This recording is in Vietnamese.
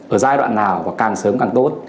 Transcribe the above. ở giai đoạn nào và càng sớm càng tốt